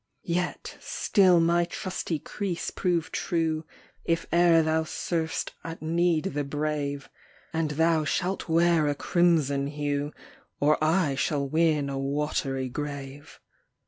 Yet still my trusty Krees prove true, If e'er thou serv'dst at need the brave, And thou shalt wear a crimson hue, Or I shall win a watery grave.